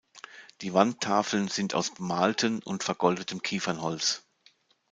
Die Wandtafeln sind aus bemaltem und vergoldetem Kiefernholz.